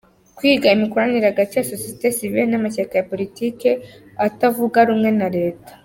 Kwiga imikoranire hagati ya société civile n’amashyaka ya politike atavuga rumwe na Leta